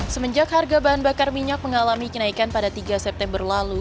semenjak harga bahan bakar minyak mengalami kenaikan pada tiga september lalu